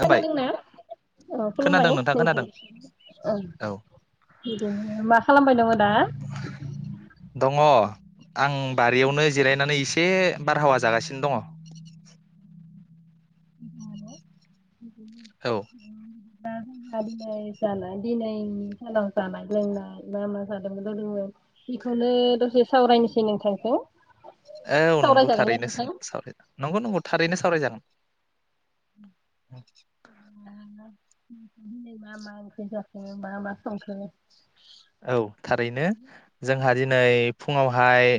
होमबाय खोनादोंना औ खोनादों खुलुमबाय नोंथां नोंथा खोनादों ओं औ बिदिनो मा खालामबाय दङ दा? दङ आं बारियावनो जिरायनानै एसे बारहावा जागासिनो दङ। औ होनबा दिनै जानाय दिनै सानाव जानाय लोंनाय मा मा जादोंमोन बेखौनो दसे सावरायनोसै नोंथांजों। औ नंगौ सावरायजागोन ना थारैनो नोंथां? सों-साव नंगौ नंगौ थारैनो सावरायजागोन। ओम [unintelligible] दिनै मा मा ओंख्रै जाखो मा मा संखो? औ थारैनो जोंहा दिनै फुङावहाय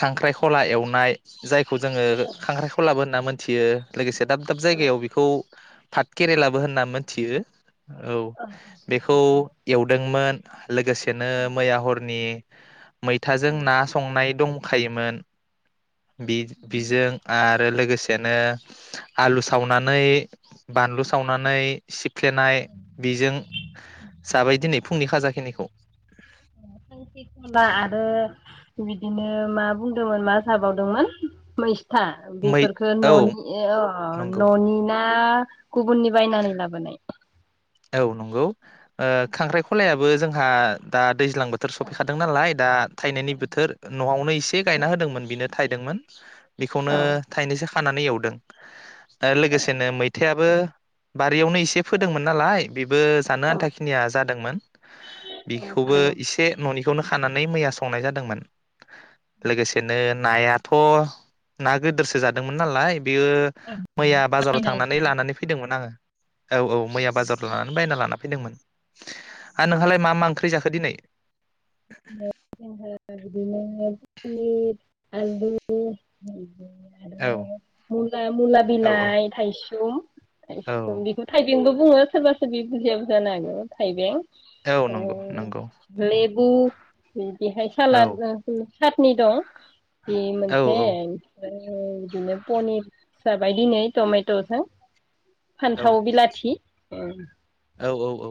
खांख्राइखला एवनाय जायखौ जोङो औ खांख्राइखलाबो होनना मोन थियो लोगोसे दाब दाब जायगायाव बेखौ पाट केरेलाबो होनना मोनथियो। औ बेखौ एवदोंमोन लोगोसेनो मैया हरनि मैथाजों औ ना संनाय दं दंखायोमोन। बि बिजों आरो लोगोसे बिदिनो आलु सावनानै बानलु सावनानै सिफ्लेनाय बिजों जाबाय दिनै फुंनि खाजाखिनिखौ। खांख्रि खला आरो बिदिनो मा बुंदोंमोन मा जाबावदोंमोन मै था मै बेफोरखौ औ ननि ओ अ नंगौ ननि ना आ गुबुननि बायनानै लाबोनाय औ नंगौ ओ खांख्राइ खलायाबो जोंहा दा दैज्लां बोथोर सफैखादों नालाय दा थायननायनि बोथोर नआवनो इसे गायना होदोंमोन बेनो थायदोंमोन बेखौनो औ थायनैसो खानानै एवदों। दा लोगोसेनो मैथायाबो बा रियावनो एसे फोदोंमोन। नालाय बेबो जानो आन्थाखिनिया जादोंमोन बेखौबो बायनाय एसे ननि खौनो खानानै मैया संनाय जादोंमोन। लोगोसेनो। नायाथ ना गोदोरसो जादोंमोन नालाय। बेयो मैया बाजाराव थांनानै लानानै फैदोंमोन आङो। औ औ मैया। आं बायना लाना फैदोंमोन हा नोंहालाय मा मा ओंख्रि जाखो दिनै। [unintelligible] पनिर आलु। औ आरो मुला मुला औ औ बिलाइ थायसुम। एस बेखौ थाइबें बो बु बुङो सोरबा सोरबि बुजिया बुजा नाङो थाइबें। औ ओ नंगौ नंगौ। [unintelligible] औ औ सातनि दं। बे औ मोनसे औ ओमफ्राय। ओ बिनो पनिर जाबाय दिनै टमेटजों। फान्थाव बिलाथि उम। औ औ औ।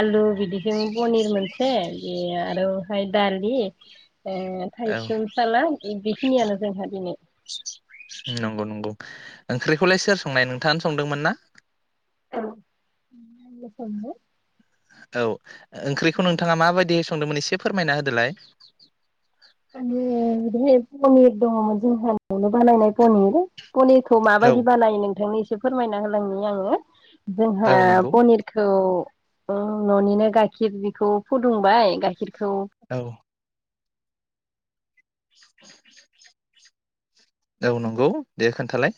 आलु बिदिजों पनिर मोनसे बे आरोहाय दालि। ए औ थाइसु सालाद इदि। फिनायानो जोंहा दिनै। नंगौ नंगौ ओंख्रिखौलाय सोर संनाय नोंथाङानो संदोंमोन ना। [unintelligible] संनो। औ। ओंख्रिखौ नोंथाङा माबायदि। संदोंमोन एसे फोरमायना होदोलाय। आं ओ दिनै पनिर दङ जोंहा नआवनो बानायनाय पनिर। पनिरखौ औ माबायदि बानायो नोंथांनि सि फोरमायना होलांनि आङो जोङा औ नंगौ पनिरखौ ओ ननिनो गाइखिर बेखौ फुदुंबाय गाइखिर खौ औ औ नंगौ दे खोन्थालाय।